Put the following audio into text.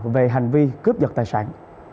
về hành vi cướp giật tài sản